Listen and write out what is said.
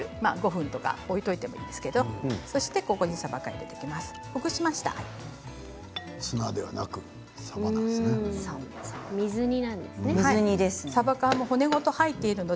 ５分とか置いておいてもいいですけれどもここにさば缶を入れていきます。